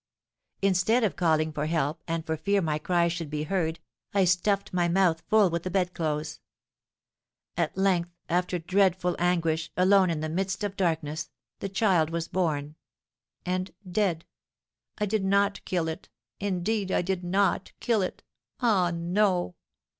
Instead of calling for help, and for fear my cries should be heard, I stuffed my mouth full with the bedclothes. At length, after dreadful anguish, alone, in the midst of darkness, the child was born, and, dead, I did not kill it! indeed, I did not kill it, ah, no!